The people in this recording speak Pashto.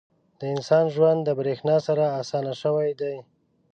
• د انسان ژوند د برېښنا سره اسانه شوی دی.